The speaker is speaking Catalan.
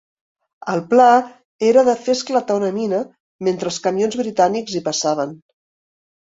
El pla era de fer esclatar una mina mentre els camions britànics hi passaven.